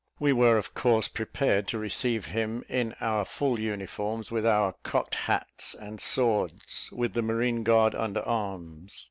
We were of course prepared to receive him in our full uniforms with our cocked hats and swords, with the marine guard under arms.